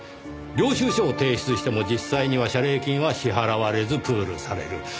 領収書を提出しても実際には謝礼金は支払われずプールされる。